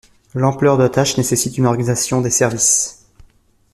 L'ampleur de la tâche nécessite une organisation des services.